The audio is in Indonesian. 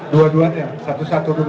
dua duanya satu satu